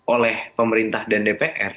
oleh pemerintah dan dpr